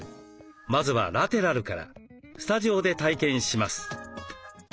まずはラテラルからスタジオで体験します。